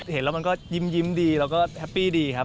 เห็นแล้วมันก็ยิ้มดีแล้วก็แฮปปี้ดีครับ